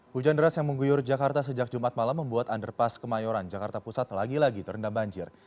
hujan deras yang mengguyur jakarta sejak jumat malam membuat underpass kemayoran jakarta pusat lagi lagi terendam banjir